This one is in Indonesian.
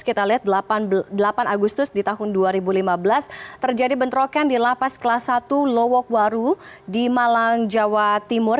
kita lihat delapan agustus di tahun dua ribu lima belas terjadi bentrokan di lapas kelas satu lowokwaru di malang jawa timur